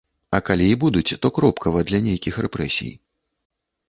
А калі і будуць, то кропкава для нейкіх рэпрэсій.